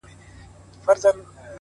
زه او ته به څنگه ښکار په شراکت کړو!